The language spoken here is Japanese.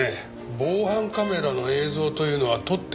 防犯カメラの映像というのは取ってあります？